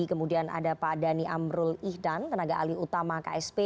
kemudian ada pak dhani amrul ihdan tenaga alih utama ksp